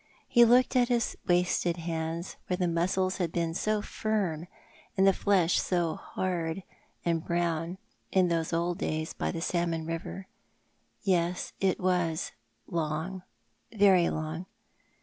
He looked at his wasted hands, where the muscles had been so firm and the flesb so hard and brown, in those old days by the salmon river. Yes, it was long, very long.